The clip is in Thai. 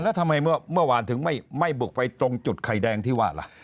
แล้วทำไมเมื่อวานถึงไม่บุกไปตรงจุดไข่แดงที่ว่าล่ะ